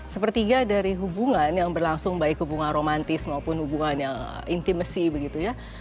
sepertiga dari hubungan yang berlangsung baik hubungan romantis maupun hubungan yang intimacy begitu ya